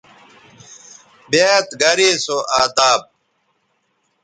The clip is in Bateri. بیاد گرے سو اداب